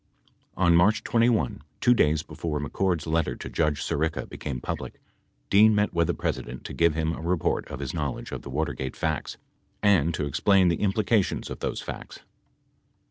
THE MARCH 21 MEETING On March 21, 2 days before McCord's letter to Judge Sirica became public, Dean met with the President to give him a report of his knowl edge of the Watergate facts and to explain the implications of those facts.